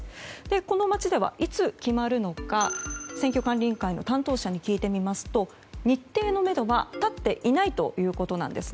この町ではいつ決まるのか選挙管理委員会の担当者に聞くと日程のめどは立っていないということです。